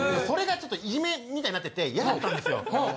それがちょっといじめみたいになってて嫌だったんですよ。